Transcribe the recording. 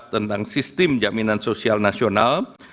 tentang sistem jaminan sosial nasional